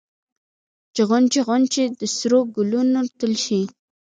چې غونچې غونچې د سرو ګلونو ټل شي